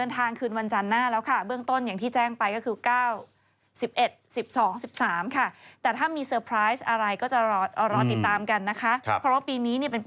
ถ้าพูดอย่างนี้ชีวิตไม่ได้ตอบอย่างนั้น